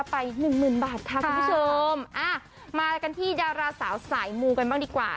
คนตามเขาเยอะมากค่ะคุณผู้ชมมากันที่ดาราสาวสายมูกันบ้างดีกว่า